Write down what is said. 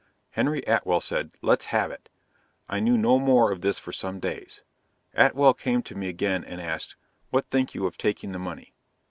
Henry Atwell said "let's have it." I knew no more of this for some days. Atwell came to me again and asked "what think you of taking the money."